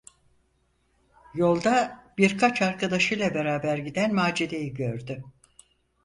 Yolda birkaç arkadaşıyla beraber giden Macide’yi gördü.